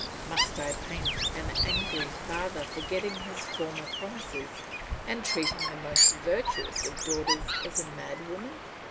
Must I paint an angry father forgetting his former promises, and treating the most virtuous of daughters as a mad woman?